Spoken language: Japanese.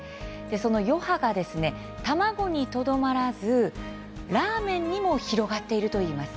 その余波が卵にとどまらずラーメンにも広がっているといいます。